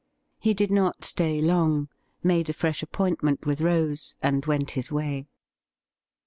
He did not stay long — made a fresh appointment with Rose and went his way.